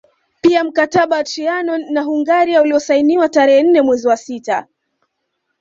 Pia mkataba wa Trianon na Hungaria uliosainiwa tarehe nne mwezi wa sita